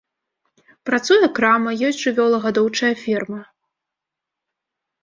Працуе крама, ёсць жывёлагадоўчая ферма.